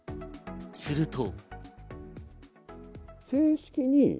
すると。